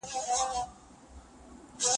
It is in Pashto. اغا هیلۍ نیولې